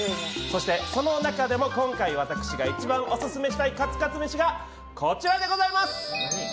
その中でも今回私が一番オススメしたいカツカツ飯がこちらでございます。